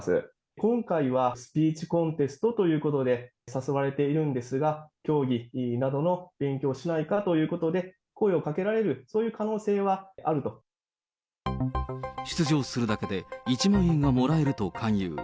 今回はスピーチコンテストということで誘われているんですが、教義などの勉強をしないかということで、声をかけられる、そうい出場するだけで１万円がもらえると勧誘。